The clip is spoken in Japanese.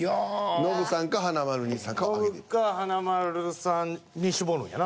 ノブか華丸さんに絞るんやな。